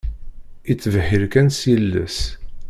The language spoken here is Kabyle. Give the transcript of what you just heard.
Ittbeḥḥiṛ kan s yiles.